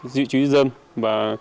dự trí dân và